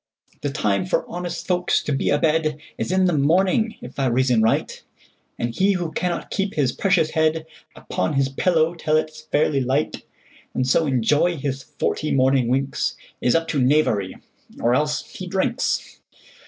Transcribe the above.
The time for honest folks to be a bedIs in the morning, if I reason right; And he who cannot keep his precious headUpon his pillow till it 's fairly light, And so enjoy his forty morning winks, Is up to knavery; or else—he drinks!